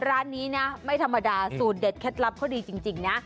ร้านนี้นะไม่ธรรมดาสูตรเด็ดเคล็ดลับเขาดีจริงนะ